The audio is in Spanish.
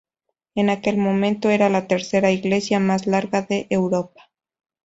En aquel momento era la tercera iglesia más larga de Europa.